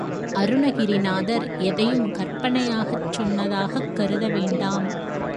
அருணகிரிநாதர் எதையும் கற்பனையாகச் சொன்னதாகக் கருத வேண்டாம்.